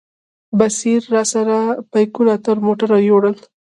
بصیر راسره بیکونه تر موټره یوړل.